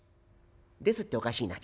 ですっておかしいな。